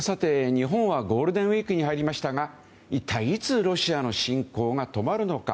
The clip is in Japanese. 日本はゴールデンウィークに入りましたがいったい、いつロシアの侵攻が止まるのか。